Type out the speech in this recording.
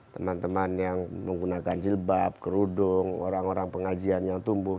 teman teman yang menggunakan jilbab kerudung orang orang pengajian yang tumbuh